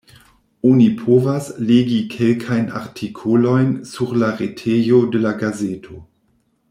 Oni povas legi kelkajn artikolojn sur la retejo de la gazeto.